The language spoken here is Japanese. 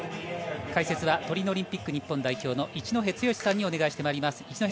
解説はトリノオリンピック日本代表の一戸剛さんにお願いしてまいります。